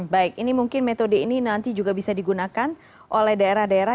baik ini mungkin metode ini nanti juga bisa digunakan oleh daerah daerah